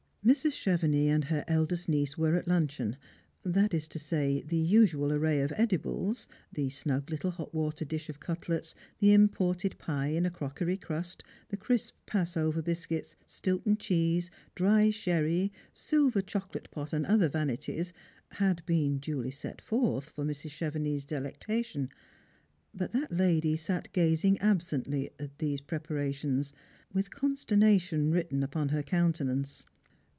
Mrs. Chevenix and her eldest niece were at luncheon, that ia to say, the usual array of edibles — the snug little hot water dish of cutlets, the imported pie in a crockery crast, the crisp pass over biscuits, Stilton cheese, dry sherry, silver chocolate pot, and other vanities — had been duly set forth for Mrs. Chevenix's delectation, but that lady sat gazing absently at these prepara tions, with consternation written upon her countenance.